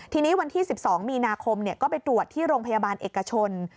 ทีนี้วันที่๑๒มีนาคมก็ไปตรวจที่โรงพยาบาลเอกชน